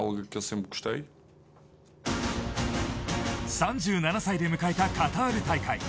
３７歳で迎えたカタール大会。